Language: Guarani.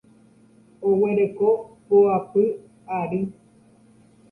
Oguereko poapy ary.